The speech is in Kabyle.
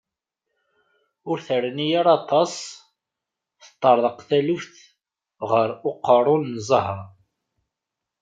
Ur terni ara aṭas, teṭṭarḍaq taluft ɣer uqerrun n Zahra.